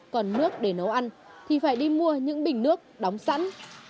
còn nước để nấu ăn thì phải đi mua những bình nước đóng sẵn